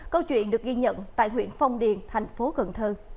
câu chuyện được ghi nhận tại huyện phong điền tp cn